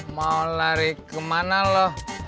mau lari kemana lo